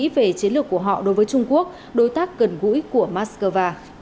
về chiến lược của họ đối với trung quốc đối tác gần gũi của moscow